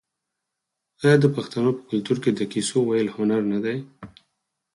آیا د پښتنو په کلتور کې د کیسو ویل هنر نه دی؟